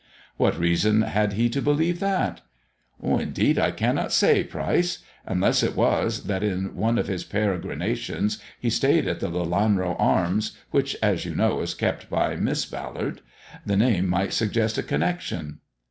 What reason had he to believe that 1 "" Indeed, I cannot say, Pryce I Unless it was that, in one of his peregrinations, he stayed at the * Lelanro Arms,' which as you know is kept by Miss Ballard. The name might suggest a connection.